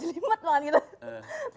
jelimet banget gitu